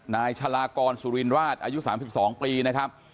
นายชาลากรสุรินราชอายุ๓๒ปีนะครับ